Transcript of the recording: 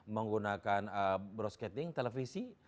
menggunakan broadcasting televisi